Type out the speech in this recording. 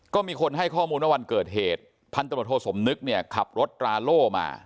ก็มีคนให้ข้อมูลว่าวันเกิดเหตุพันธบทโทสมนึกเนี่ยขับรถตราโล่มา